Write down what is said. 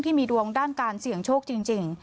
ดวงด้านการเสี่ยงโชคจริง